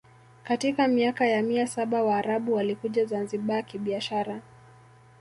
Katika miaka ya mia saba Waarabu walikuja Zanzibar kibiashara